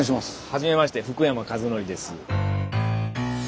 はじめまして福山和紀です。